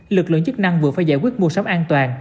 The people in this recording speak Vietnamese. lực lượng chức năng vừa phải giải quyết mua sắm an toàn